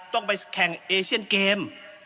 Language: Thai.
ต้องไปแข่งเอเชียนเกม